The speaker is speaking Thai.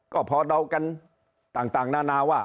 ก็พอเดากันต่างนานาว่า